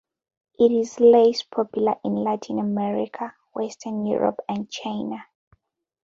It is less popular in Latin America, Western Europe, and China.